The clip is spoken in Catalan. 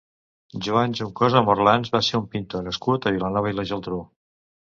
Joan Juncosa Morlans va ser un pintor nascut a Vilanova i la Geltrú.